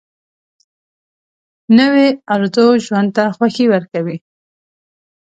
نوې ارزو ژوند ته خوښي ورکوي